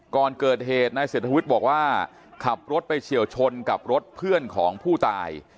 ก่อนเกิดเหตุนายเศรษฐวุฒิบอกว่าขับรถไปเฉียวชนกับรถเพื่อนของผู้ตาย